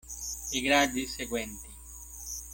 I gradi seguenti.